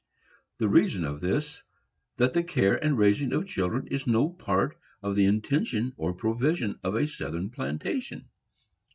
The reason of this is, that the care and raising of children is no part of the intention or provision of a Southern plantation.